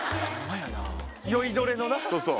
酔いどれのな。